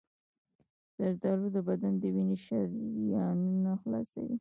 زردآلو د بدن د وینې شریانونه خلاصوي.